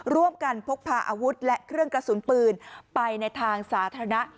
ร่วมกันพกพาอาวุธและเครื่องกระสุนปืนไปในทางสาธารณะ